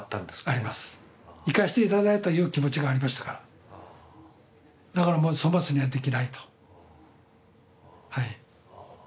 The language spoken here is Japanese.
あります、生かしていただいたという気持ちがありましたからだからもう、粗末にはできないと。